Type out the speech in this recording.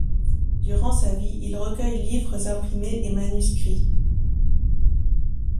Durant sa vie, il recueille livres imprimés et manuscrits.